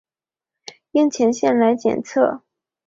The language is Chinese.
樱前线来进行预测。